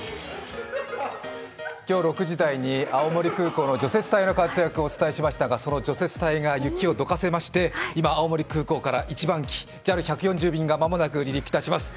今日６時台に青森空港の除雪隊の活躍をお伝えしましたがその除雪隊が雪をどかせまして、今、青森空港から一番機、ＪＡＬ１４０便がまもなく離陸いたします。